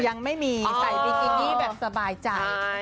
ผมยังไม่มีใส่เปียกกินนี่สบายใจ